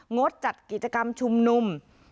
งดจัดกิจกรรมชุมนุม